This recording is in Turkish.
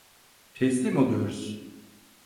Teslim oluyoruz.